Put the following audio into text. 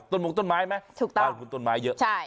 ต้นมกต้นไม้มั้ยบ้านคุณต้นไม้เยอะ